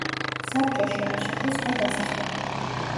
საბჭოში არ შედის სხვა დასახლებები.